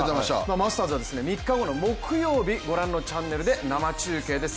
マスターズは３日後の木曜日、ご覧のチャンネルで生中継です。